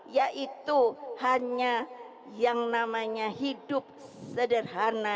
yaitu hanya yang namanya hidup sederhana